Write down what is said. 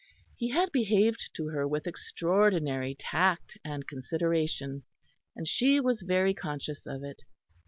He had behaved to her with extraordinary tact and consideration, and she was very conscious of it.